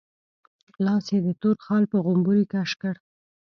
لاس يې د تور خال په غومبري کش کړ.